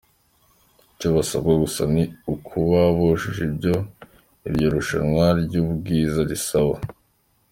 Icyo basabwa gusa ni ukuba bujuje ibyo iryo rushanwa ry’ubwiza risaba.